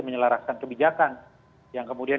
menyelaraskan kebijakan yang kemudian